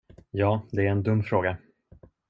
Ja, det är en dum fråga.